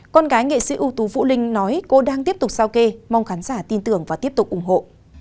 con gái nghệ sĩ ưu tú vũ linh nói cô đang tiếp tục sao kê mong khán giả tin tưởng và tiếp tục ủng hộ